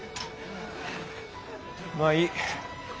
まあいい。